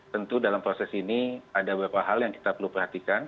tentu dalam proses ini ada beberapa hal yang kita perlu perhatikan